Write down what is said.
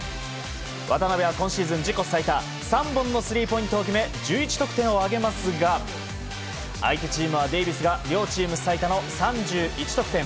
渡邊は今シーズン自己最多３本のスリーポイントを決め１１得点を挙げますが相手チームは、デイビスが両チーム最多の３１得点。